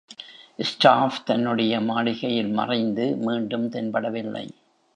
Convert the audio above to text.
Staff தன்னுடைய மாளிகையில் மறைந்து மீண்டும் தென்படவில்லை.